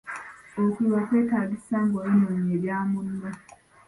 Okuliwa kwetaagisa ng’oyonoonye ebya munno.